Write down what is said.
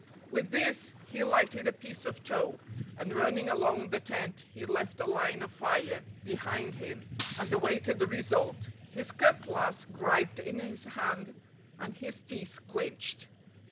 With this he lighted a piece of tow, and running along the tent he left a line of fire behind him, and awaited the result, his cutlass griped in his hand and his teeth clinched.